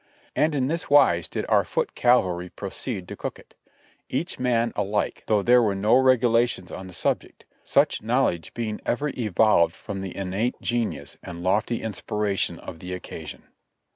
And in this wise did our foot cavalry proceed to cook it — each man alike, though there were no regulations on the subject; such knowledge being ever evolved from the innate genius and lofty inspiration of the occasion.